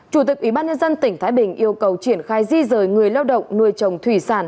chủ tịch ủy ban nhân dân tỉnh thái bình yêu cầu triển khai di rời người lao động nuôi trồng thủy sản